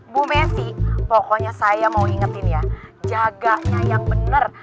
bu messi pokoknya saya mau ingetin ya jaganya yang benar